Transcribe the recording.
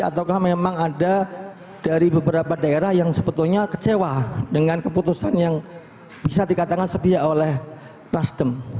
ataukah memang ada dari beberapa daerah yang sebetulnya kecewa dengan keputusan yang bisa dikatakan sebiak oleh nasdem